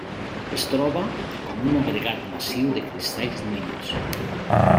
Es troba com un agregat massiu de cristalls diminuts.